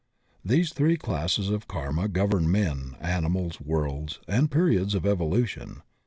These three classes of karma govern men, animals, worlds, and periods of evolution.